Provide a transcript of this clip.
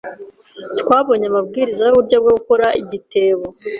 Twabonye amabwiriza yuburyo bwo gukora igitebo.